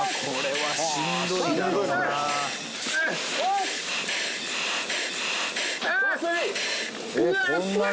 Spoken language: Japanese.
はい。